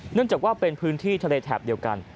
เนื่องจากว่าเป็นพื้นที่ทะเลแถบเดียวกัน